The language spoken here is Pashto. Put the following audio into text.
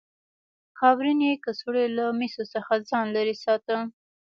خاورینې کڅوړې له مسو څخه ځان لرې ساته.